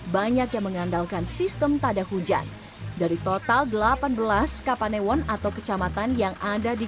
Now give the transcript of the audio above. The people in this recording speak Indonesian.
banyak yang mengandalkan sistem tada hujan dari total delapan belas kapanewon atau kecamatan yang ada di